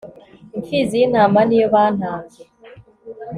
impfizi y'intama niyo batambye